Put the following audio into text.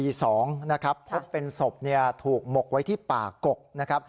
พบเป็นศพถูกหมดไว้ที่ป่ากก